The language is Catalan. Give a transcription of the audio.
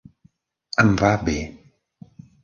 Em va bé.